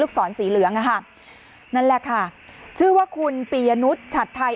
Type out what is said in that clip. ศรสีเหลืองอะค่ะนั่นแหละค่ะชื่อว่าคุณปียนุษย์ฉัดไทย